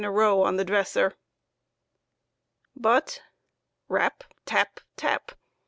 a row on the dresser. But, rap ! tap ! tap !